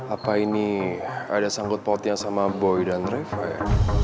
apa ini ada sanggup potnya sama boy dan reva ya